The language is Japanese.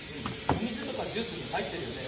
おみずとかジュースにはいってるよね。